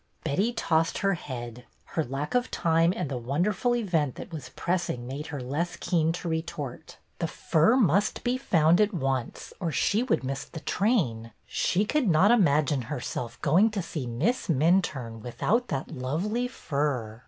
Betty tossed her head. Her lack of time and the wonderful event that was pressing made her less keen to retort. The fur must be found at once, or she would miss the train. She could not imagine herself going to see Miss Minturne without that lovely fur.